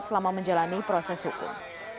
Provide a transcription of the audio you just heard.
selama menjalani proses hukum